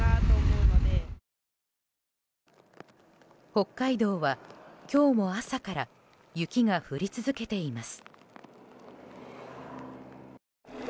北海道は今日も朝から雪が降り続けています。